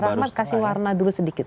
rahmat kasih warna dulu sedikit